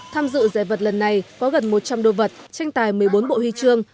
tham dự giải vật lần này có gần một trăm linh đồ vật tranh tài một mươi bốn bộ huy chương